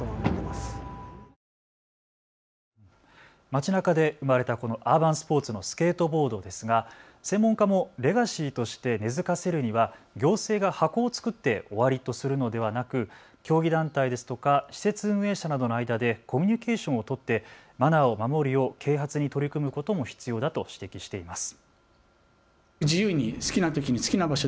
街なかで生まれたこのアーバンスポーツのスケートボードですが専門家もレガシーとして根づかせるには行政が箱を作って終わりとするのではなく競技団体ですとか施設運営者などの間でコミュニケーションを取ってマナーを守るよう啓発に取り組むことも必要だと指摘しています。